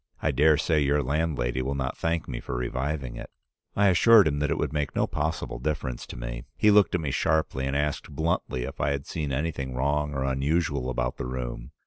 I dare say your landlady will not thank me for reviving it.' "I assured him that it would make no possible difference to me. He looked at me sharply, and asked bluntly if I had seen anything wrong or unusual about the room.